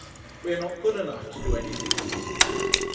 We are not good enough to do anything with India.